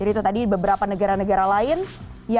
jadi itu tadi beberapa negara negara lainnya